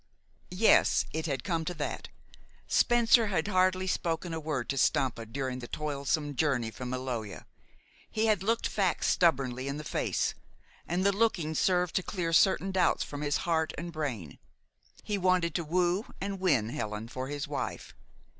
Yes, it had come to that. Spencer had hardly spoken a word to Stampa during the toilsome journey from Maloja. He had looked facts stubbornly in the face, and the looking served to clear certain doubts from his heart and brain. He wanted to woo and win Helen for his wife.